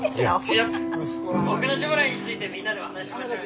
いや僕の将来についてみんなでお話ししましょうよ。